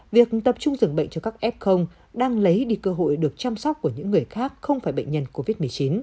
việc tập trung dưỡng bệnh cho các f đang lấy đi cơ hội được chăm sóc của những người khác không phải bệnh nhân covid một mươi chín